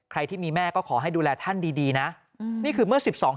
ใครที่มีแม่ก็ขอให้ดูแลท่านดีดีนะอืมนี่คือเมื่อสิบสอง